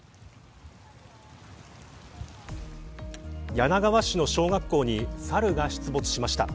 柳川市の小学校にサルが出没しました。